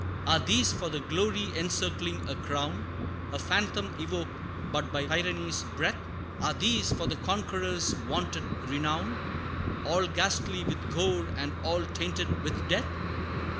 Are these for the glory encircling a crown A phantom evoked but by tyranny's breath? Are these for the conqueror's vaunted renown All ghastly with gore, and all tainted with death?